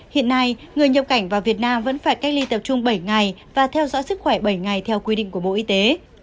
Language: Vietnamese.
hiện nay người nhập cảnh vào việt nam vẫn phải cách ly tập trung bảy ngày và theo dõi sức khỏe bảy ngày theo quy định của bộ y tế